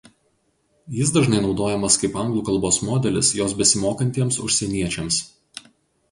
Jis dažnai naudojamas kaip anglų kalbos modelis jos besimokantiems užsieniečiams.